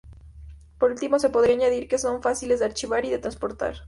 Por último, se podría añadir que son fáciles de archivar y de transportar.